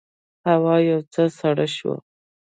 هوا یو څه سړه شوه.